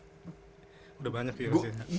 udah banyak viewers ya